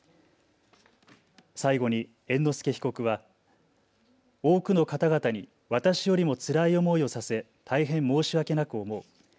最後に猿之助被告は多くの方々に私よりもつらい思いをさせ大変申し訳なく思う。